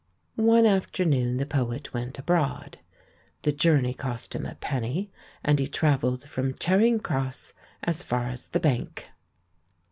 One afternoon the poet went abroad. The journey cost him a penny, and he travelled from Charing Cross as far as the Bank.